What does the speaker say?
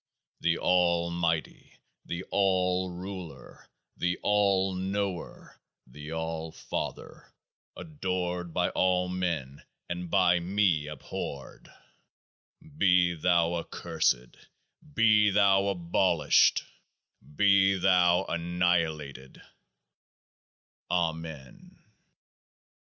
The All Mighty, the All Ruler, the All Knower, the All Father, adored by all men and by me abhorred, be thou accursed, be thou abolished, be thou annihilated, Amen